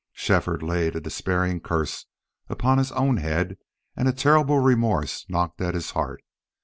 Shefford laid a despairing curse upon his own head, and a terrible remorse knocked at his heart.